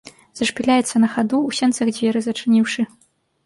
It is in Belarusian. Зашпіляецца на хаду, у сенцах дзверы зачыніўшы.